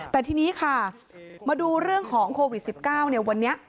แต่ทีนี้ค่ะมาดูเรื่องของโควิด๑๙วันนี้